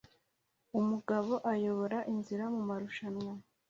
Umugabo ayobora inzira mumarushanwa